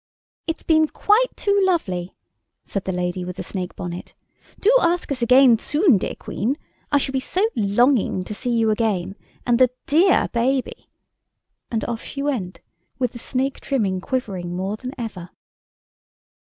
"It's been quite too lovely," said the lady with the snake bonnet; "do ask us again soon, dear Queen. I shall be so longing to see you again, and the dear baby," and off she went, with the snake trimming quivering more than ever.